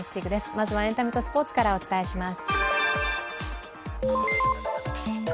まずはエンタメとスポーツからお伝えします。